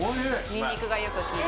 ニンニクがよく効いて。